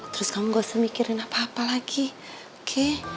terus kamu gak usah mikirin apa apa lagi oke